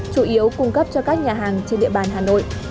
chủ yếu cung cấp cho các nhà hàng trên địa bàn hà nội